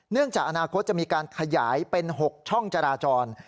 จากอนาคตจะมีการขยายเป็น๖ช่องจราจร